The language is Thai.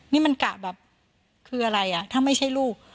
นี่มันกะแบบคืออะไรอ่ะถ้าไม่ใช่ลูก